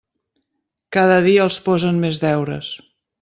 Cada dia els posen més deures.